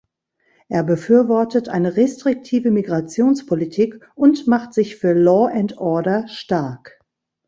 Er befürwortet eine restriktive Migrationspolitik und macht sich für Law and Order stark.